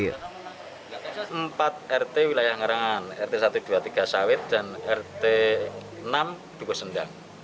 tidak ada empat rt wilayah ngerangan rt satu ratus dua puluh tiga sawit dan rt enam dukuh sendang